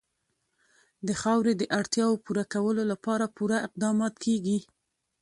د خاورې د اړتیاوو پوره کولو لپاره پوره اقدامات کېږي.